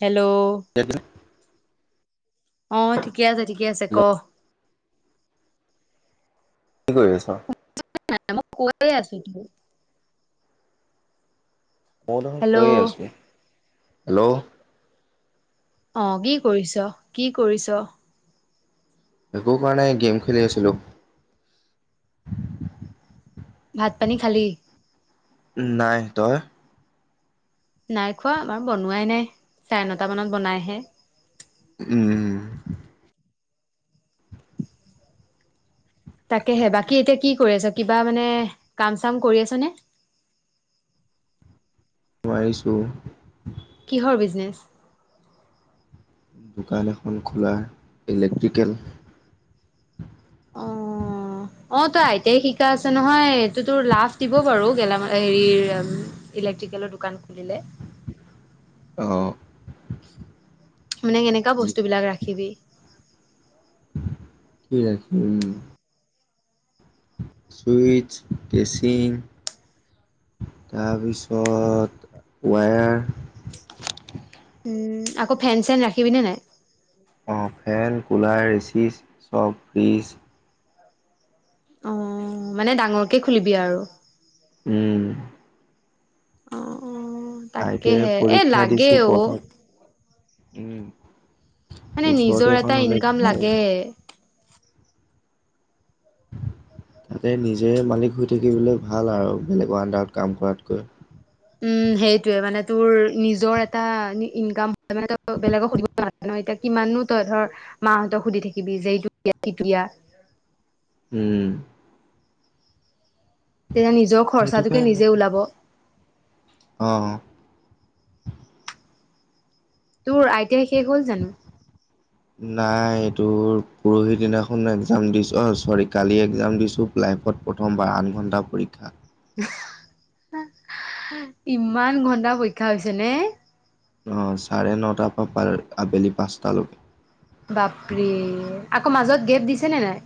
Hello. [unintelligible] অহ, ঠিকে আছে, ঠিকে আছে ক? কি কৰি আছ? মানে মই কৈয়ে আছোতো। মই দেখোন, হেল্ল' কৈয়ে আছোঁ। হেল্ল'? অহ', কি কৰিছ, কি কৰিছ? একো কৰা নাই গেম খেলি আছিলোঁ। ভাত পানী খালি? উম, নাই। তই? নাই খোৱা আমাৰ বনোৱাই নাই। চাৰে নটা মানত বনাইহে। উম। তাকেহে বাকী এতিয়া কি কৰি আছা? কিবা মানে কাম চাম কৰি আছানে? নোৱাৰিছোঁ। কিহৰ বিজনেচ? দোকান এখন খোলা ইলেক্ট্ৰিকেল। অ', অ', তই আইতে শিকা আছে নহয় এইটো তোৰ লাছ দিব বাৰু গেলামা এ, হেৰি ইলেক্ট্ৰিকেলৰ দোকান খুলিলে। অ'। মানে এনেকা যি বস্তুবিলাক ৰাখিবি। কি ৰাখিম? ছুইটচ, কেচিং। তাৰপিছত ৱায়াৰ। উম, আকৌ ফেন চেন ৰাখিবিনে নাই? অ', ফেন, কুলাৰ, এচিজ চব ফ্ৰিজ অ', মানে ডাঙৰকে খুলিবি আৰু? উম। অ', আই টি আই তাকেহে এ, পৰীক্ষা লাগে দিছো অ'। পঢ়া উম, মানে নিজৰ ওচৰতে এটা এখন হ'লে ইনকাম ভাল। লাগে তাতে নিজে মালিক হৈ থাকিবলৈ ভাল আৰু বেলেগৰ আণ্ডাৰত কাম কৰাতকৈ। উম, সেইটোয়ে মানে তোৰ নিজৰ এটা ইনকাম [unintelligible] মানে [unintelligible] বেলেগক সুধিব [unintelligible] নহয় এতিয়া কিমাননো তই ধৰ মাহঁতক সুধি থাকিবি যে এইটো দিয়া সিটো দিয়া। উম। তেতিয়া নিজৰ সেইটো খৰচাটোকে নিজে ওলাব। অ', অ'। তোৰ আই টি আই শেষ হ'ল জানো? নাই এইটোৰ পৰহি দিনাখন এক্জাম দিছোঁ। অ', চৰি কালি এক্জাম দিছোঁ। লাইফত প্ৰথমবাৰ আঠ ঘণ্টা পৰীক্ষা। ইমান ঘন্টা পৰীক্ষা হৈছে নে? অ', চাৰে নটাৰ পৰা পাৰ আবেলি পাঁচটালৈ। বাপৰে আকৌ মাজত গেপ দিছে নে নাই?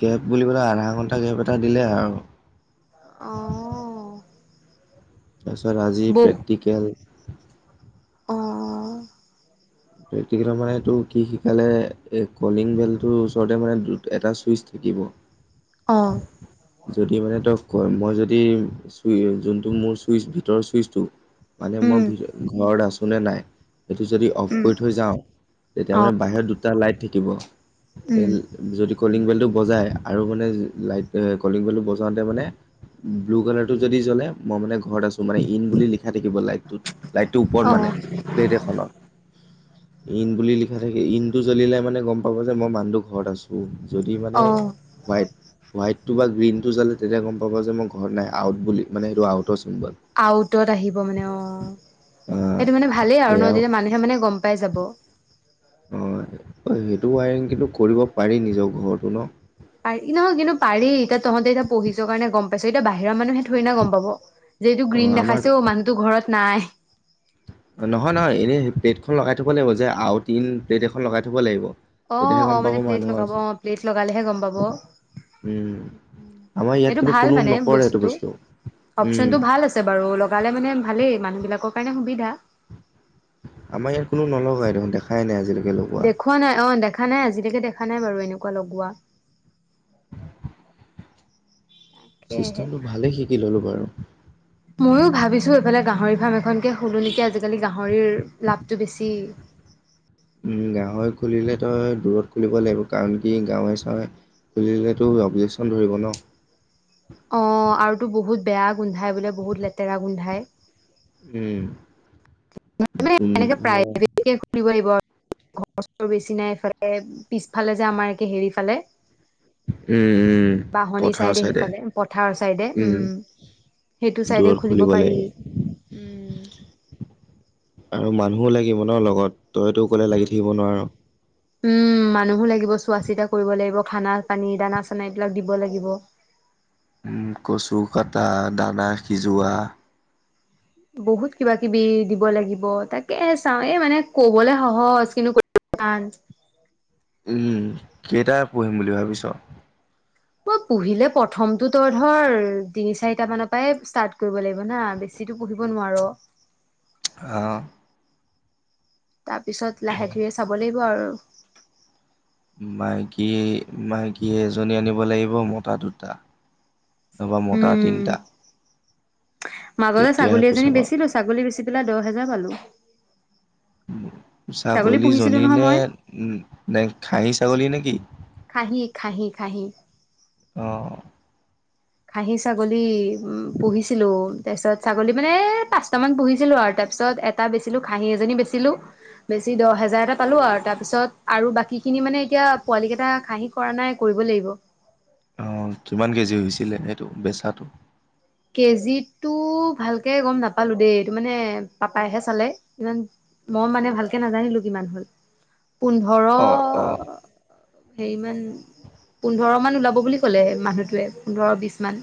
গেপ বুলিবলে আধা ঘণ্টা গেপ এটা দিলে আৰু। অ'। তাৰপিছত আজি বহ প্ৰেক্টিকেল। অ'। প্ৰেক্টিকেলত মানে তোৰ কি শিকালে এই কলিং বেলটোৰ ওচৰতে মানে দুট এটা ছুইচ থাকিব। [inaudible] অ'। যদি মানে তই কয় মই যদি ছুই, যোনটো মোৰ ছুইছ ভিতৰৰ ছুইছটো মানে মই উম ভিতৰ ঘৰত আছো নে নাই, সেইটো যদি অফ উম কৰি থৈ যাওঁ। তেতিয়া অ মানে বাহিৰত দুটা লাইট থাকিব। উম এল যদি কলিং বেলটো বজাই আৰু মানে লাইট আ, কলিং বেলটো বজাওঁতে মানে ব্লু কালাৰটো যদি জ্বলে মই মানে ঘৰত আছো। মানে ইন বুলি লিখা থাকিব লাইটটোত। লাইটটোৰ অ ওপৰত মানে প্লেট এখনত। ইন বুলি লিখা থাকে ইনটো জ্বলিলে মানে গম পাব যে মই মানুহ ঘৰত আছো যদি মানে অ হোৱাইত হোৱাইটটো বা গ্ৰীণ টো জ্বলে তেতিয়া গম পাব যে মই ঘৰত নাই আউট বুলি মানে সেইটো আউটৰ চিম্বল। আউটত আহিব মানে অ অ সেইটো মানে ভালেই আৰু ন সেয়াও তেতিয়া মানুহে মানে গম পাই যাব। অ সেইটো ৱায়াৰিং কিন্তু কৰিব পাৰি নিজৰ ঘৰতো ন। পাৰি নহয় কিন্তু পাৰি এতিয়া তহঁতে এতিয়া পঢ়িছ কাৰণে গম পাইছ এতিয়া বাহিৰৰ মানুহে থৰি না গম পাব। যিহেতু অ গ্ৰীণ আমাৰ দেখাইছে অ মানুহতো ঘৰত নাই। নহয় নহয় এনে প্লেটখন লগাই থব লাগিব যে আউট-ইন প্লেট এখন লগাই থব লাগিব। অ তেতিয়াহে অ গম পাব মানে প্লেট মানুহ লগাব আছে অ প্লেট লগালেহে গম পাব। উম আমাৰ ইয়াত এইটো কিন্তু ভাল কোনো মানে নকৰে সেইটো বস্তুটো বস্তু উম অপচনতটো ভাল আছে। বাৰু লগালে মানে ভালেই মানুহ বিলাকৰ কাৰণে সুবিধা। আমাৰ ইয়াত কোনো নলগাই দেখোন, দেখাই নাই আজিলৈকে লগোৱা। দেখা নাই অ' দেখা নাই আজিলৈকে দেখা নাই বাৰু এনেকুৱা লগোৱা। [inaudible] সেয়েহে চিষ্টেমটো ভালে শিকি ললোঁ বাৰু। ময়ো ভাবিছোঁ এইফালে গাহৰি ফাৰ্ম এখনকে খোলোঁ নেকি, আজিকালি গাহৰিৰ লাভটো বেছি। গাহৰি খুলিলে তই দূৰত খুলিব লাগিব কাৰণ কি গাঁৱে চাৱে খুলিলেতো অবজেকশ্যন ধৰিব ন'। অ' আৰুতো বহুত বেয়া গোন্ধাই বোলে, বহুত লেতেৰা গোন্ধাই। উম, গোন্ধাই। তাকেই খুলিব লাগিব। ঘৰৰ বেছি নাইফালে, পিছফালে যে আমাৰ একে হেৰি ফালে উম, বাহনী পথাৰৰ চাইডে, সিফালে পথাৰৰ চাইডে উম। সেইটো চাইডে দূৰত খুলিব পাৰি। লাগিব উম। আৰু মানুহো লাগিব ন' লগত, তইতো অকলে উম লাগি থাকিব নোৱাৰ। উম, মানুহো লাগিব, চোৱা চিতা কৰিব লাগিব, খানা পানী, দানা চানা এইবিলাক দিব লাগিব। উম, কচু কাটা দানা সিজোৱা। বহুত কিবা কিবি দিব লাগিব তাকে চাওঁ। এই মানে কবলে সহজ কিন্তু টান। উম। কেইটা পুহিম বুলি ভাবিছ? মই পুহিলে প্ৰথমতো তই ধৰ তিনি চাৰিটা মানৰ পৰাই ষ্টাৰ্ট কৰিব লাগিব না। বেছি বেছিটো পুহিব নোৱাৰ। আ তাৰপিছত লাহে ধীৰে চাব লাগিব আৰু। মাইকী, মাইকী এজনী আনিব লাগিব মতা দুটা। নাইবা মটা উম তিনিটা। মাজতে তেতিয়াহে ছাগলী পইচা এজনী পাম বেচিলোঁ, ছাগলী বেচি পেলাই দহ হোজাৰ পালোঁ। ছাগলীজনী নহয় নে মই। উম, নে খাহী ছাগলী নেকি? খাহি খাহি খাহি। অ'। খাহী ছাগলী পুহিছিলোঁ তাৰপিছত ছাগলী মানে পাঁচটামান পুহিছিলোঁ আৰু তাৰপিছত টা বেচিলোঁ, খাহী এজনী বেচিলোঁ। বেছি দহ হেজাৰ এটা পালোঁ আৰু তাৰ পিছত আৰু বাকীখিনি মানে এতিয়া পোৱালি কেইটা খাহি কৰা নাই কৰিব লাগিব। অ' কিমান কেজি হৈছিলে সেইটো বেচাটো? কেজিটো ভালকে গ'ম নাপালোঁ দেই, এইটো মানে পাপাইহে চালে। মই মানে ভালকে নাজানিলোঁ কিমান হ'ল। পোন্ধৰ অ অ হেৰিমান পোন্ধৰমান ওলাব বুলি ক'লে মানুহটোৱে পোন্ধৰ বিছমান।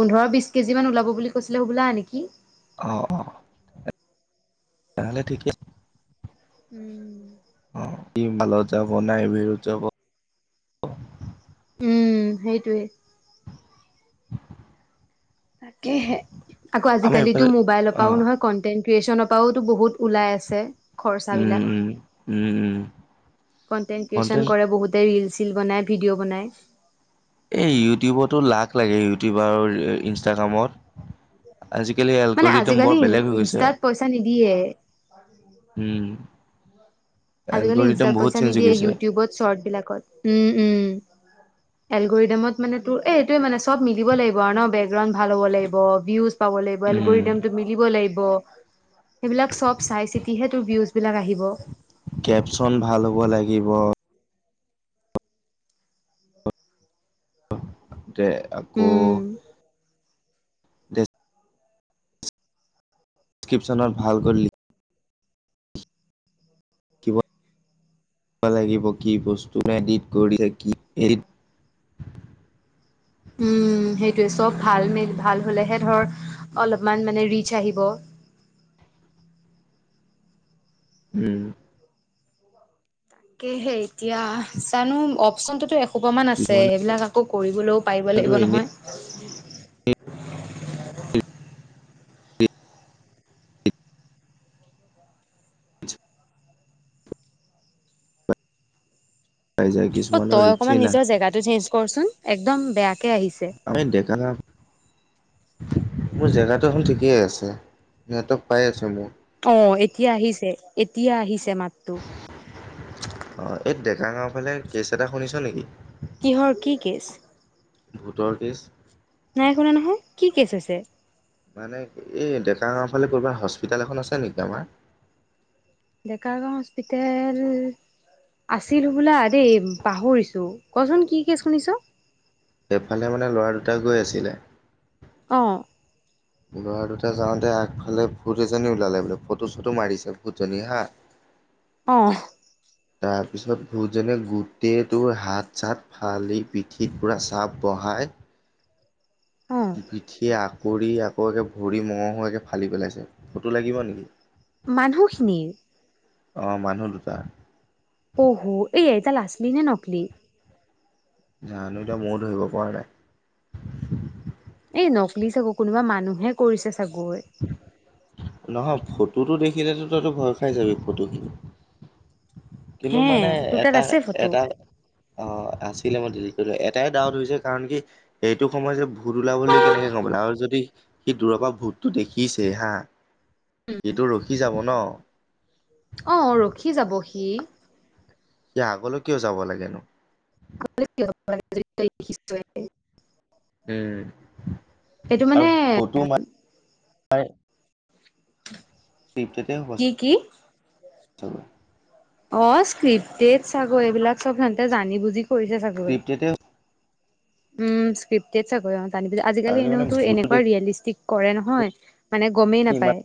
পোন্ধৰ বিছ কেজিমান ওলাব বুলি কৈছিলে হবোলা নেকি। অ', অ'। তেনেহ'লে ঠিকে উম। অ' কি মালত যাব নে হেইবোৰত যাব। উম, সেইটোৱে। তাকেহে। আকৌ আমাৰ আজিকালিতো এইফালে মোবাইলৰ অ পৰাওঁ নহয় কনটেনট ক্ৰিয়েচনৰ পৰাওতো বহুত ওলাই আছে। খৰচা উম বিলাক। উম উম উম কনটেণ্ট ক্ৰিয়েচন কন্টেন্ট কৰে বহুত তাতে ৰিল চিল বনায়, ভিডিঅ' বনায়। এই ইউটিউবতো লাক লাগে, ইউটিউব আৰু ইনষ্টাগ্ৰামত। আজিকালি মানে এলকৰিডম আজিকালি বৰ ইন- বেলেগ হৈ গৈছে। ইনষ্টাত পইচা নিদিয়ে। উম। আজিকালি এলগৰিদম ইনষ্টাত বহুত পইচা চেঞ্জ হৈ নিদিয়ে, গৈছে ইউটিউবত শ্বৰ্টবিলাকত, উ, উম। [inaudible] এলগৰিদমত মানে, তোৰ এইটোৱে মানে চব মিলিব লাগিব আৰু ন, বেকগ্ৰাউণ্ড ভাল হ'ব লাগিব, ভিউজ পাব লাগিব, উম এলগৰিদম তো মিলিব লাগিব। সেইবিলাক চব চাই-চিতিহে তোৰ ভিউজবিলাক আহিব। কেপচন ভাল হ'ব লাগিব। দে আকৌ উম। দে কিপশনত ভাল কৈ লিখি লিখিব লাগিব কি বস্তু, [unintelligible] উম, সেইটোয়ে চব ভাল মে ভাল হলেহে ধৰ অলপমান মানে ৰিচ আহিব। উম। তাকেহে এতিয়া জানো, অপচনটোতো এসোপমান আছে, কিছুমানেতো সেইবিলাক আকৌ কৰিবলৈও পাৰিব লাগিব এনেই নহয়। পাই যায়। অ', কিছুমানৰ তই অকমান ৰিচেই নাহে নিজৰ জেগাটো চেঞ্জ কৰচোন, একদম বেয়াকে আহিছে। [unintelligible] মোৰ জেগাটো দেখোন ঠিকেই আছে, নেটৱৰ্ক পাই আছে মোৰ। অ', এতিয়া আহিছে, এতিয়া আহিছে মাততো। অ', এই ডেকা গাওঁৰ ফালে কেচ এটা শুনিছ নেকি? কিহৰ কি কেছ? ভোটৰ কেছ? নাই শুনা নহয়, কি কেছ হৈছে? মানে, এই ডেকা গাঁৱৰ ফালে ক'ৰবাত হস্পিটেল এখন আছে নেকি আমাৰ? ডেকাগাঁও হস্পিটেল আছিল বোলা দেই, পাহৰিছোঁ কচোন। কি কেছ শুনিছ? সেইফালে মানে ল'ৰা দুটাই গৈ আছিলে। অ'। ল'ৰা দুটা যাওঁতে আগফালে ভূত এজনী ওলালে বোলে, ফটো-চটো মাৰিছে ভূতজনী হা। [inaudible] অ'। তাৰপিছত ভূত যেনে গোটেইটো হাত-চাত ফালি পিঠিত পূৰা চাপ বহাই অ পিঠিয়ে আকৰি আকৌ, একে ভৰি মঙহোৱাকৈ ফালি পেলাইছে। ফটো লাগিব নেকি? মানুহখিনিৰ? অ', মানুহ দুটাৰ। অহ, ত্ৰই দাল আচলি নে নকলি? জানো, এতিয়া ময়ো ধৰিব পৰা নাই। এই নকলি চাগো কোনোবা মানুহে কৰিছে চাগৈ। [unintelligible] নহয় ফটোটো দেখিলেতো তইতো ভয় খাই যাবি ফটোত। কিন্তু হে মানে তোৰ তাত এটা আছে ফটো এটা অ আছিলে মই দেৰি কৰিলো এটাই ডাউট হৈছে কাৰণ কি এইটো সময় যে ভূত ওলাবলৈ কেনেকে গম আৰু যদি সি দূৰপ ভূতটো দেখিছে হা সিটো ৰখি যাব ন। অ', ৰখি যাব সি। ইয়া আগলৈ কিয় যাব লাগেনো? [unintelligible] উম এইটো মানে আৰু ফটো [unintelligible] দ্বীপজ্যোতিয়েও ক কি কি চব অ স্ক্ৰিপটেড চাগৈ এইবিলাক চব সিহঁতে জানি বুজি কৰিছে চাগ ক্ৰিপ্টতে উম স্কট চাগৈ অান আজিকি আৰু মানে এনেওতো ভূতো এনেকুৱা দেখি ৰিয়েলিষ্টিক কৰে নহয় মানে গমেই ইমান নাপায়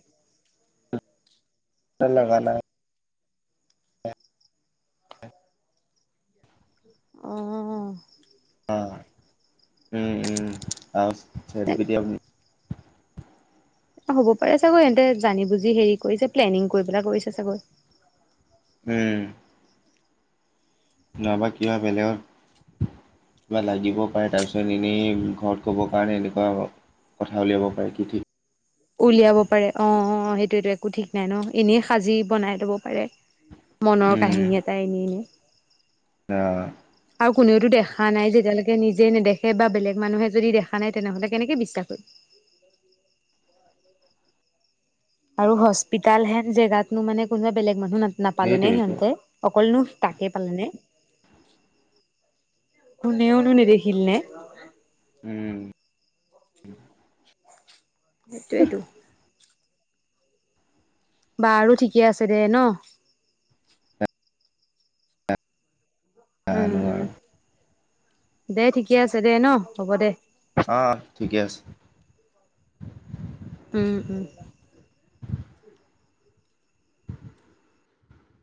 ল লগানা অ অ উম উম চৰি পতিি হ'ব পাৰে চাগৈ এহতে জানি বুজি হেৰি কৰিছে প্লেনিং কৰি পেলাই কৰিছে চাগৈ উম নবা কি হয় বেলেগৰ কিবা লাগিব পাৰে তাৰপিছত এনেই ঘৰত ক'বৰ কাৰণে এনেকুৱা কথা উলিয়াব পাৰে কি ঠিক উলিয়াব পাৰে অঁ অ সেইটোটো একো ঠিক নাই ন এনেই সাজি বনাই ল'ব পাৰে উ মনৰ কাহিনী এটা এনে এনে ত আৰু কোনেওো দেখা নাইতিয়ৈকে নিজে নেদেখে বা বেলেগ মানুহে যদি দেখা নাই তেনেহ'লে কেনেকে বিশ্বাস কৰিম আৰু হস্পিতাল হেন জেগাতনো মানে কোনোবা বেলেগ মানুহ ন নাপালে নে সেইটোৱেইটো সিহঁতে অকলনো তাকে পালে নে কোনেওনো নেদেখিল নে উম সেইটোৱেতো বা আৰু ঠিকে আছে দে ন উম উম কাৰাৰ দে ঠিকে আছে দে ন হ'ব দে অ ঠিকে আছে উম উম